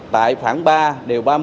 tại phản ba điều ba mươi một